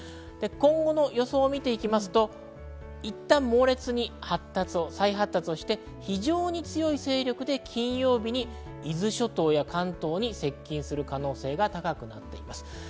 今後の予想を見るといったん猛烈に発達、再発達して非常に強い勢力で金曜日に伊豆諸島、関東に接近する可能性が高くなっています。